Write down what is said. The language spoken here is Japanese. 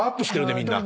みんな。